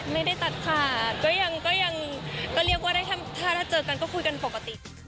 ไม่ได้ตัดขาดก็ยังก็เรียกว่าถ้าเจอกันก็คุยกันปกติ